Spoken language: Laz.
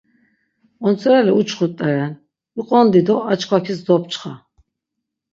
Ontzirale uçxu rt̆eren, iqondi do arşvacis dopçxa.